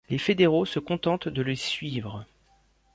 Les fédéraux se contentent de les suivre.